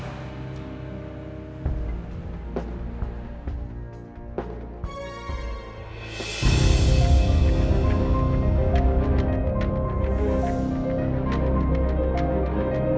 dan tidak ada esering helmet